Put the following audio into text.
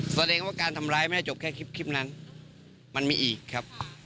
แสดงว่าการทำร้ายไม่ได้จบแค่คลิปนั้นมันมีอีกครับ